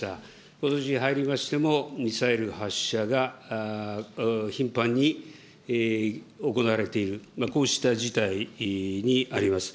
ことしに入りましても、ミサイル発射が頻繁に行われている、こうした事態にあります。